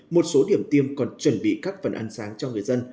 một số điểm tiêm còn chuẩn bị các phần ăn sáng cho người dân